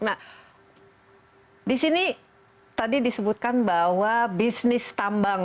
nah disini tadi disebutkan bahwa bisnis tambang